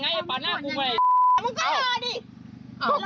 อ้าวมึงอย่าเล่นพ่อ